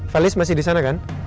felis masih disana kan